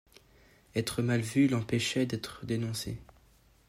Être mal vue l’empêchait d’être dénoncée.